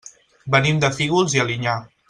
Venim de Fígols i Alinyà.